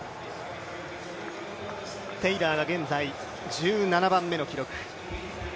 テイラーが現在１７番目の記録。